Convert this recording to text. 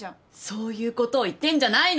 そういうことを言ってんじゃないの。